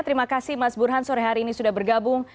terima kasih mas burhan sore hari ini sudah bergabung